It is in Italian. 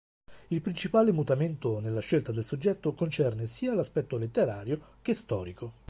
Il principale mutamento nella scelta del soggetto concerne sia l'aspetto letterario che storico.